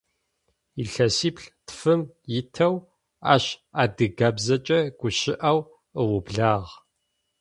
Илъэсиплӏ-тфым итэу ащ адыгабзэкӏэ гущыӏэу ыублагъ.